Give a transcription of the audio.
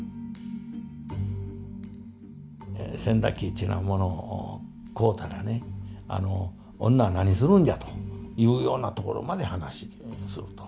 っちゅうようなものを買うたらね女は何するんじゃというようなところまで話をすると。